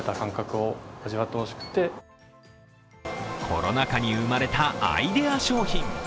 コロナ禍に生まれたアイデア商品。